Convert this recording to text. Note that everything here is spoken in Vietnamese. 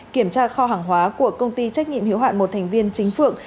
kiểm tra kho hàng hóa của công ty trách nhiệm hiếu hoạn một thành viên chính phượng